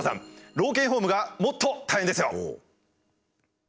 老犬ホームがもっと大変ですよ。